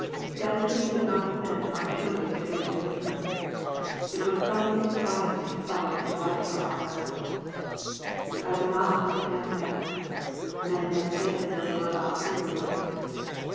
Destiny would not send artillery against a weakling. It was sometimes finer to fight when the lights were all out; I would not understand that, men never did until they were about through with life.